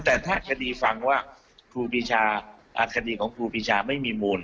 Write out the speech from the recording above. แต่ถ้าคดีฟังว่าครูปีชาคดีของครูปีชาไม่มีมูล